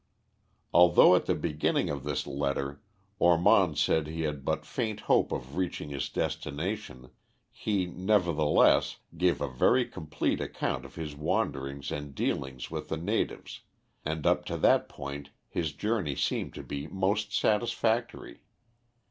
Although at the beginning of this letter Ormond said he had but faint hope of reaching his destination, he, nevertheless, gave a very complete account of his wanderings and dealings with the natives, and up to that point his journey seemed to be most satisfactory.